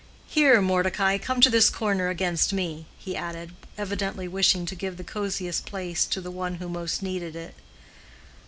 Here, Mordecai, come to this corner against me," he added, evidently wishing to give the coziest place to the one who most needed it.